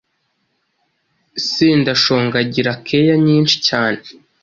Sendashonga agira Care nyinshi cyane